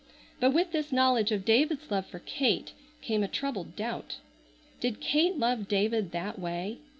But with this knowledge of David's love for Kate came a troubled doubt. Did Kate love David that way?